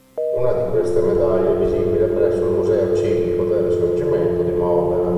Una di queste medaglie è visibile presso il Museo Civico del Risorgimento di Modena.